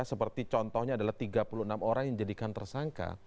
seperti contohnya adalah tiga puluh enam orang yang dijadikan tersangka